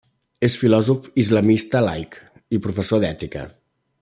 És filòsof islamista laic i professor d'ètica.